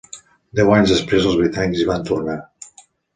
Deu anys després els britànics hi van tornar.